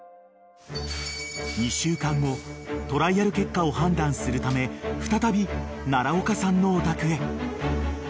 ［２週間後トライアル結果を判断するため再び奈良岡さんのお宅へ］